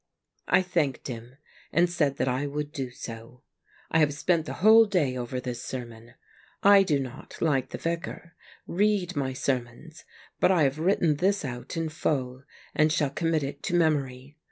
I thanked him, and said that I would do so. I have spent the whole day over this sermon. I do not, like the Vicar, I'ead my sermons, but I have written this out in full, and shall commit it to memory.